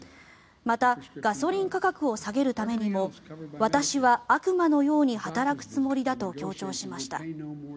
また、ガソリン価格を下げるためにも私は悪魔のように働くつもりだと強調しました。